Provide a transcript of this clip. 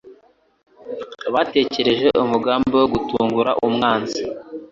Batekereje umugambi wo gutungura umwanzi.